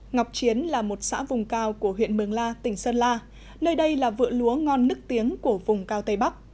ngọc chiến là một xã vùng cao của huyện mường la tỉnh sơn la nơi đây là vựa lúa ngon nức tiếng của vùng cao tây bắc